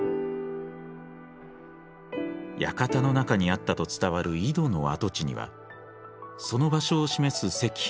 館の中にあったと伝わる井戸の跡地にはその場所を示す石碑だけが残されています。